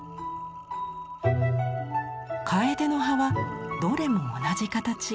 楓の葉はどれも同じ形。